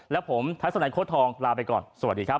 และผมทัศนัยโค้ดทองลาไปก่อนสวัสดีครับ